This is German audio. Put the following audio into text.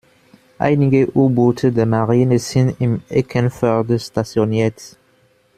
Einige U-Boote der Marine sind in Eckernförde stationiert.